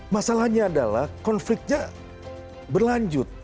masalahnya adalah konfliknya berlanjut